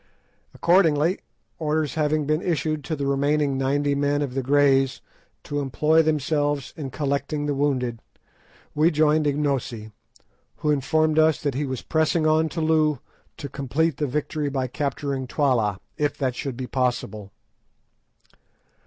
Accordingly, orders having been issued to the remaining ninety men of the Greys to employ themselves in collecting the wounded, we joined Ignosi, who informed us that he was pressing on to Loo to complete the victory by capturing Twala, if that should be possible.